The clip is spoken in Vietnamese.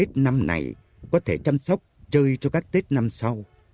tết năm này có thể chăm sóc chơi cho các tết năm sau